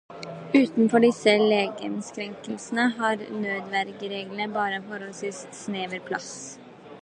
Utenfor disse legemskrenkelsene har nødvergereglene bare en forholdsvis snever plass.